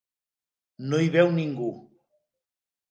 No hi veu ningú.